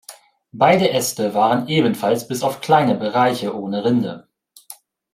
Beide Äste waren ebenfalls bis auf kleine Bereiche ohne Rinde.